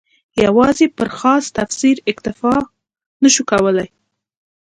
یوازې پر خاص تفسیر اکتفا نه شو کولای.